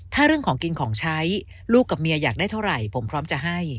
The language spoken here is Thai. ถ้าเรื่องของกินของใช้ลูกกับเมียอยากได้เท่าไหร่ผมพร้อมจะให้